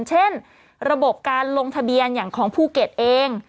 เช่นระบบการลงทะเบียนอย่างของภูเก็ตเอง